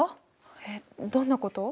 えっどんなこと？